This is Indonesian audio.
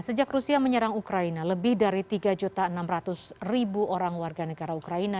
sejak rusia menyerang ukraina lebih dari tiga enam ratus orang warga negara ukraina